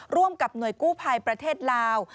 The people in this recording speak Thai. ร่วมกับหน่วยกู้ภัยประเทศลาว